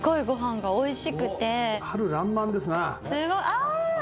あ！